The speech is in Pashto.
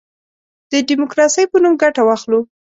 د ډیموکراسی په نوم ګټه واخلو.